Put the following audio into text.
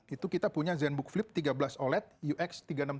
itu kita punya zenbook flip tiga belas oled ux tiga ratus enam puluh